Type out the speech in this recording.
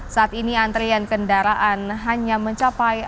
saat ini antrian kendaraan hanya mencapai lima puluh meter